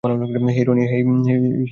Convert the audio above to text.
হেই, Roni.